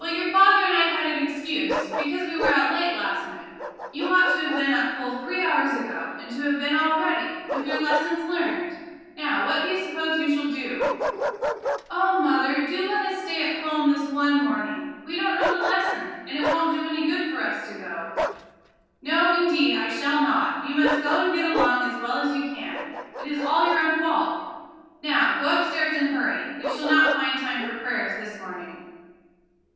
"Well, your father and I had some excuse, because we were out late last night; you ought to have been up full three hours ago, and to have been all ready, with your lessons learned. Now, what do you suppose you shall do?" "Oh, mother, do let us stay at home this one morning; we don't know the lesson, and it won't do any good for us to go." "No, indeed, I shall not. You must go and get along as well as you can. It is all your own fault. Now, go upstairs and hurry. We shall not find time for prayers this morning."